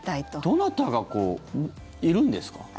どなたが、こういるんですか？